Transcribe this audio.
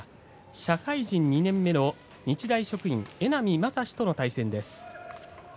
社会人２年目の日大職員榎波将史との対戦です。